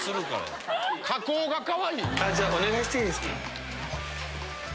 お願いしていいですか？